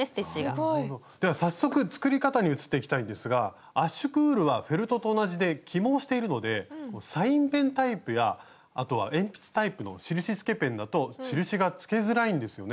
すごい！では早速作り方に移っていきたいんですが圧縮ウールはフェルトと同じで起毛しているのでサインペンタイプやあとは鉛筆タイプの印付けペンだと印が付けづらいんですよね？